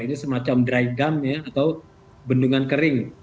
ini semacam dry gum ya atau bendungan kering